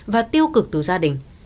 và tiêu cực từ gia đình